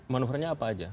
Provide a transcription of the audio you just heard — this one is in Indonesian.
manuvernya apa saja